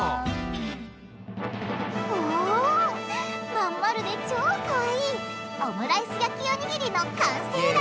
まん丸で超かわいいオムライス焼きおにぎりの完成だ！